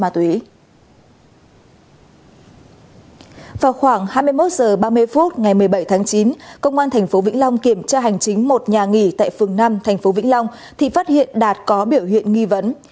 bảy tháng chín công an tp vĩnh long kiểm tra hành chính một nhà nghỉ tại phường năm tp vĩnh long thì phát hiện đạt có biểu hiện nghi vấn